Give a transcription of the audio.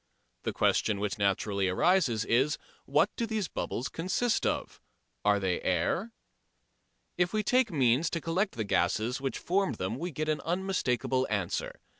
The question which naturally arises is, What do those bubbles consist of? Are they air? If we take means to collect the gases which formed them we get an unmistakable answer.